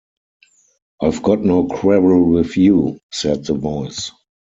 "I've got no quarrel with you," said the Voice.